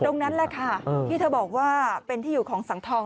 ตรงนั้นแหละค่ะที่เธอบอกว่าเป็นที่อยู่ของสังทอง